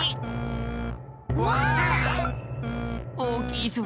おおきいぞ。